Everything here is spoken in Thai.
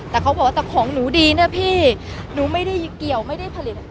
แต่เขาบอกว่าแต่ของหนูดีนะพี่หนูไม่ได้เกี่ยวไม่ได้ผลิต